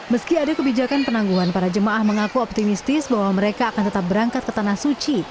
meski ada kebijakan penangguhan para jemaah mengaku optimistis bahwa mereka akan tetap berangkat ke tanah suci